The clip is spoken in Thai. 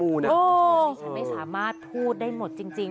ฉันไม่สามารถพูดได้หมดจริง